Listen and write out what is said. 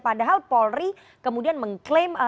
padahal polri kemudian mengklaim